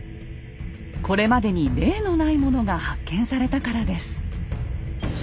これまでに例のないものが発見されたからです。